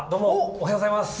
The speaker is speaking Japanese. おはようございます！